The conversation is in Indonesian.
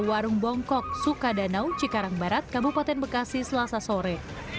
warung bongkok sukadanau cikarang barat kabupaten bekasi selasa sore